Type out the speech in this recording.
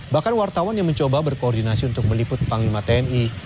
bahkan wartawan yang mencoba berkoordinasi untuk meliput panglima tni